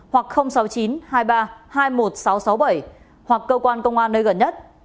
hoặc sáu mươi chín hai mươi ba hai mươi một nghìn sáu trăm sáu mươi bảy hoặc cơ quan công an nơi gần nhất